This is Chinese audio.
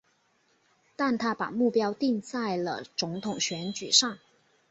但他把目标定在了总统选举上。